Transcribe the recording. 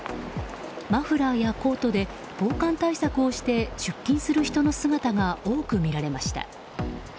マフラーやコートで防寒対策をして出勤する人の姿が多く見られました。